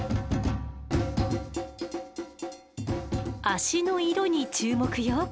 脚の色に注目よ。